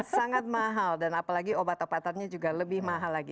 sangat mahal dan apalagi obat obatannya juga lebih mahal lagi